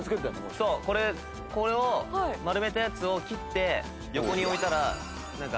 そうこれを丸めたやつを切って横に置いたらなんか。